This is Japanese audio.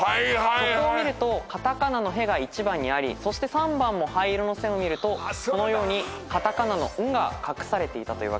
そこを見ると片仮名の「ヘ」が１番にありそして３番も灰色の線を見るとこのように片仮名の「ン」が隠されていたというわけです。